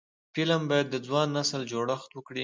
فلم باید د ځوان نسل جوړښت وکړي